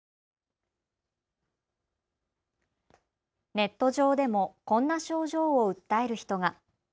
ネット上でもこんな症状を訴える人が。